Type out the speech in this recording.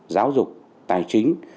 giáo dục tài chính